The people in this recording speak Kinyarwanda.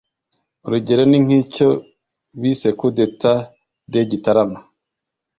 urugero ni nk'icyo bise coup d'etat de gitarama